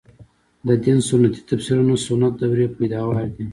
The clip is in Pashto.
د دین سنتي تفسیرونه سنت دورې پیداوار دي.